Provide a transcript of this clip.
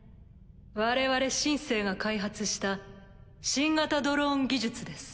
我々「シン・セー」が開発した新型ドローン技術です。